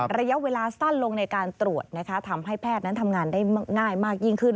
ระยะเวลาสั้นลงในการตรวจทำให้แพทย์นั้นทำงานได้ง่ายมากยิ่งขึ้น